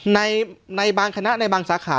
ในบางคณะในบางสาขา